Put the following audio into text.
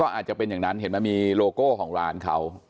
อาจจะเป็นอย่างนั้นเห็นไหมมีโลโก้ของร้านเขา